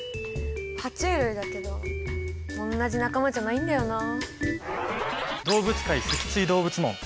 は虫類だけどおんなじ仲間じゃないんだよな。